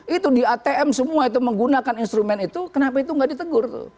itu di atm semua itu menggunakan instrumen itu kenapa itu nggak ditegur tuh